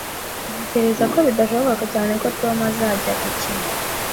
Ntekereza ko bidashoboka cyane ko Tom azajya gukina